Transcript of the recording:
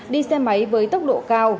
đi xe máy với tốc độ cao